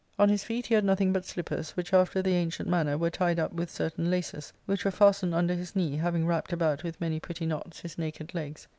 On his feet he had nothing but slippers, which, after the ancient manner, were tied up with certain laces, which were fastened under his knee, having wrapped about with many pretty knots his naked legs.